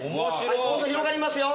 今度広がりますよ。